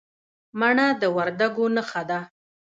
مڼه د وردګو نښه ده.